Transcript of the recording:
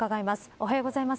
おはようございます。